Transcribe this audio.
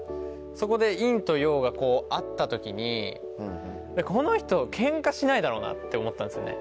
そこで陰と陽があった時にこの人ケンカしないだろうなって思ったんですよね。